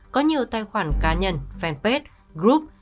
có nhiều tài khoản cá nhân fanpage group